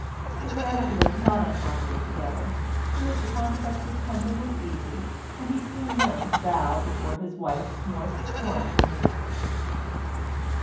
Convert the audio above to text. The pair had lived not unhappily together, for Mr Pontifex's temper was easy and he soon learned to bow before his wife's more stormy moods.